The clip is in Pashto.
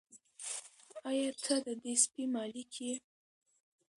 آیا ته د دې سپي مالیک یې؟